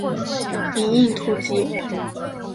以应图谶。